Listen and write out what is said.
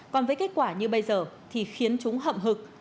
còn với kết quả như bây giờ thì khiến chúng hậm hực